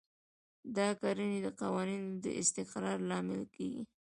دا کړنې د قوانینو د استقرار لامل کیږي.